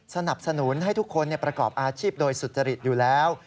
สนับสนุนให้ทุกคนประกอบอาชีพโดยสุจริตอยู่แล้ว